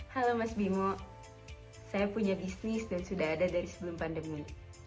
halo mas bimo saya punya bisnis dan sudah ada dari sebelum pandemi